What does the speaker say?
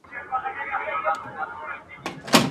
يوه دا چي يعقوب عليه السلام کرکه وکړله.